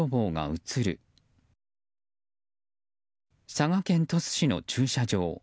佐賀県鳥栖市の駐車場。